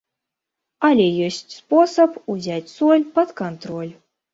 Але ёсць спосаб узяць соль пад кантроль.